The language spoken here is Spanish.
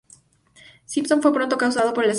Simpson fue pronto acusado del asesinato.